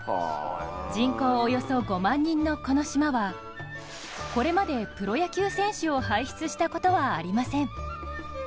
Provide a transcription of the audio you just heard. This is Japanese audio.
人口およそ５万人の、この島はこれまでプロ野球選手を輩出したことはありません。